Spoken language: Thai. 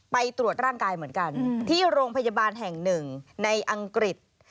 ไปตรวจร่างกายเหมือนกันที่โรงพยาบาลแห่งหนึ่งในอังกฤษ